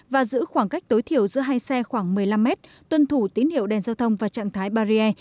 và giữ khoảng cách tối thiểu giữa hai xe khoảng một mươi năm mét tuân thủ tín hiệu đèn giao thông và trạng thái barrier